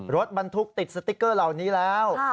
รถบรรทุกติดสติ๊กเกอร์เหล่านี้แล้ว